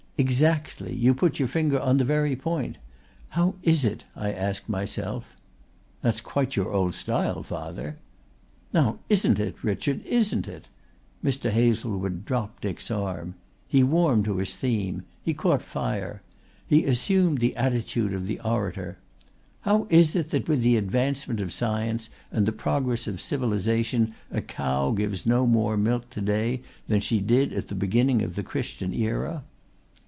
"Exactly, you put your finger on the very point. How is it, I asked myself " "That's quite your old style, father." "Now isn't it, Richard, isn't it?" Mr. Hazlewood dropped Dick's arm. He warmed to his theme. He caught fire. He assumed the attitude of the orator. "How is it that with the advancement of science and the progress of civilization a cow gives no more milk to day than she did at the beginning of the Christian era?"